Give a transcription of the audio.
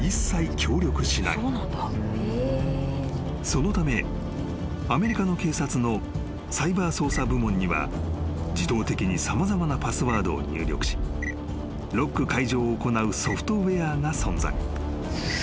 ［そのためアメリカの警察のサイバー捜査部門には自動的に様々なパスワードを入力しロック解除を行うソフトウエアが存在］